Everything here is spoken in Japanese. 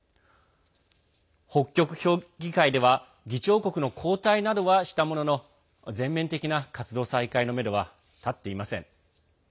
北極評議会では議長国の交代などはしたものの全面的な活動再開のめどは立っていません。